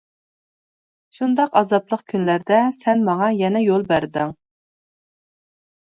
شۇنداق ئازابلىق كۈنلەردە سەن ماڭا يەنە يول بەردىڭ.